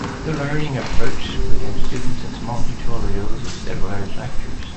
The learning approach would have students in small tutorials instead of large lectures.